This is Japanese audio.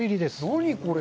何これ。